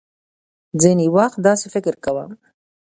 ځينې وخت داسې فکر کوم .